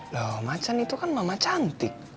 loh macan itu kan mama cantik